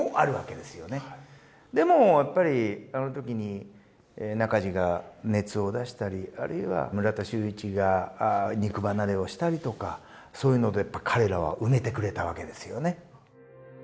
でもやっぱりあの時にナカジが熱を出したりあるいは村田修一が肉離れをしたりとかそういうので彼らは埋めてくれたわけですよね。